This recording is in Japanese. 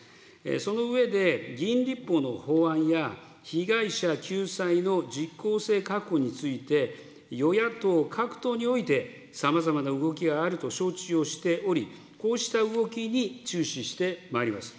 その上で、議員立法の法案や、被害者救済の実効性確保について、与野党各党において、さまざまな動きがあると承知をしており、こうした動きに注視してまいります。